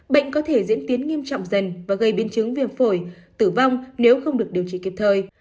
bệnh có thể diễn tiến nghiêm trọng dần và gây biến chứng viêm phổi tử vong nếu không được điều trị kịp thời